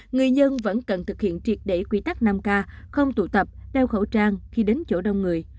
người dân vẫn cần thực hiện triệt để quy tắc năm k không tụ tập đeo khẩu trang khi đến chỗ đông người